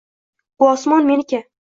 Bu osmon – meniki!